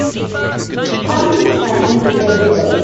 Something's happened to everybody.